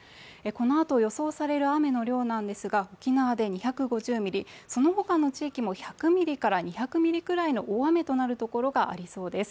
このあと予想される雨の量なんですが、沖縄で２５０ミリ、そのほかの地域も１００２００ミリくらいの大雨となる所がありそうです。